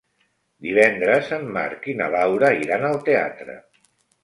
Divendres en Marc i na Laura iran al teatre.